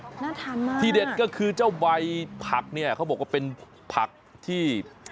น่าทานมากที่เด็ดก็คือเจ้าใบผักเนี่ยเขาบอกว่าเป็นผักที่